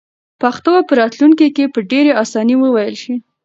پښتو به په راتلونکي کې په ډېرې اسانۍ وویل شي.